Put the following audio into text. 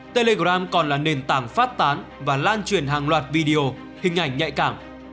telegram còn là nền tảng phát tán và lan truyền hàng loạt video hình ảnh nhạy cảm